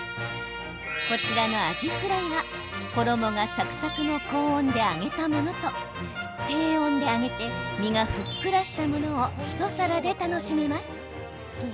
こちらのアジフライは衣がサクサクの高温で揚げたものと低温で揚げて身がふっくらしたものを一皿で楽しめます。